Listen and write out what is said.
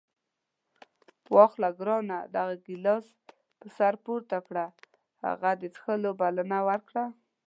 واخله ګرانه دغه ګیلاس پر سر پورته کړه. هغه د څښلو بلنه ورکړه.